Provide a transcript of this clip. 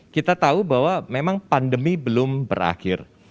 kita tahu bahwa memang pandemi belum berakhir